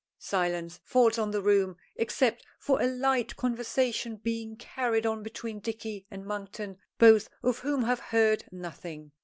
Silence falls on the room, except for a light conversation being carried on between Dicky and Monkton, both of whom have heard nothing.